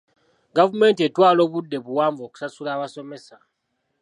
Gavumenti etwala obudde buwanvu okusasula abasomesa.